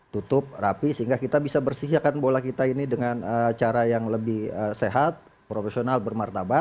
tutup rapi sehingga kita bisa bersihakan bola kita ini dengan cara yang lebih sehat profesional bermartabat